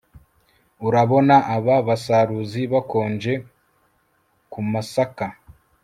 urabona aba basaruzi bakonje kumasaka